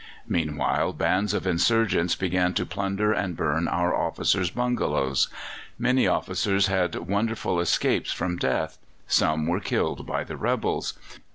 Meanwhile bands of insurgents began to plunder and burn our officers' bungalows. Many officers had wonderful escapes from death; some were killed by the rebels.